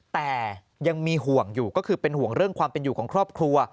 แต่ยังมีห่วงอยู่ก็คือเป็นห่วงเรื่องความเป็นอยู่ของครอบครัว